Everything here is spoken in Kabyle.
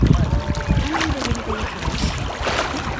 Anwa i d abrid ay uḥric?